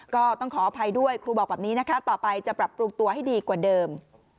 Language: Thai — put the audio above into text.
ก็ต้องขออภัยด้วยครูบอกแบบนี้นะคะต่อไปจะปรับปรุงตัวให้ดีกว่าเดิม